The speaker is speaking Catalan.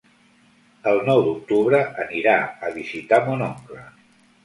El nou d'octubre anirà a visitar mon oncle.